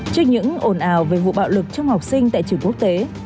trước những ồn ào về vụ bạo lực trong học sinh tại trường quốc tế